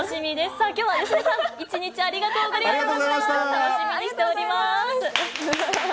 さあ、きょうは芳根さん、１日あありがとうございました。